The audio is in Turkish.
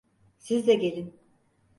Siz de gelin.